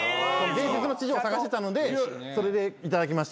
伝説の痴女を探してたのでそれで頂きました。